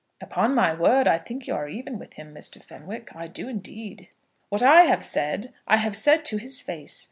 "Upon my word, I think you are even with him, Mr. Fenwick, I do indeed." "What I have said, I have said to his face.